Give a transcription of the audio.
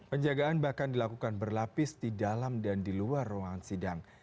penjagaan bahkan dilakukan berlapis di dalam dan di luar ruangan sidang